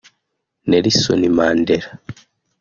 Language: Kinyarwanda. Nelson Mandela